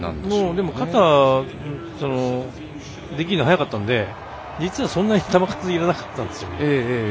でも肩できるの早かったので実はそんなに球数いらなかったんです。